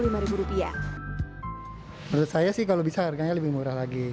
menurut saya sih kalau bisa harganya lebih murah lagi